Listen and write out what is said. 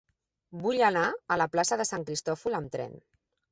Vull anar a la plaça de Sant Cristòfol amb tren.